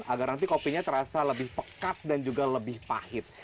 agar nanti kopinya terasa lebih pekat dan juga lebih pahit